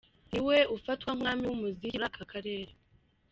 Ni we ufatwa nk'umwami w'umuziki muri aka karere.